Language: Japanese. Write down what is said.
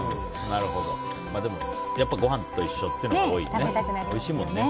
でも、やっぱりご飯と一緒っていうのが多いね。